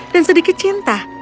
dan sedikit cinta